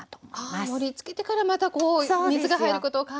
ああ盛りつけてからまたこう熱が入ることを考えて。